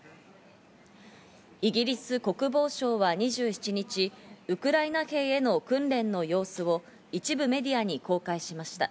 イギリス国防省は２７日、ウクライナ兵への訓練の様子を一部メディアに公開しました。